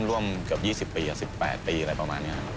ร่วมกับ๒๐ปี๑๘ปีอะไรประมาณนี้